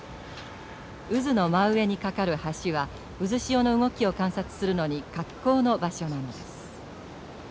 渦の真上に架かる橋は渦潮の動きを観察するのに格好の場所なんです。